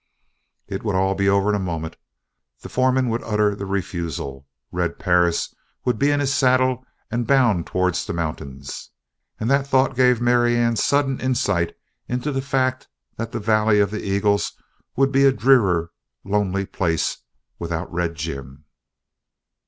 It would all be over in a moment. The foreman would utter the refusal. Red Perris would be in his saddle and bound towards the mountains. And that thought gave Marianne sudden insight into the fact that the Valley of the Eagles would be a drear, lonely place without Red Jim.